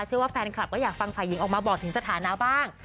ว่าแฟนคลับก็อยากฟังฝ่ายหญิงออกมาบอกถึงสถานะบ้าง